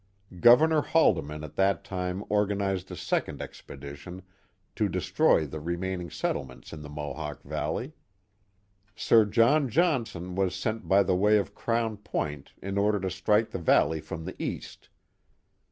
Governor Haldiman at that time organized a second expedition to destroy the remaining settlements in tHc Mohawk Valley. Sir John Johnson was sent by the way of Crown Point in order to strike the valley from the east.